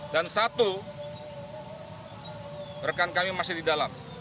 dan satu rekan kami masih di dalam